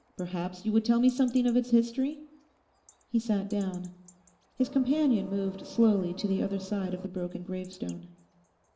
Perhaps you would tell me something of its history?' He sat down. His companion moved slowly to the other side of the broken gravestone.